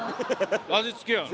味付けやろ。